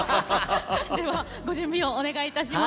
ではご準備をお願いいたします。